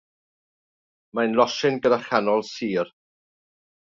Mae'n losin gyda chanol sur.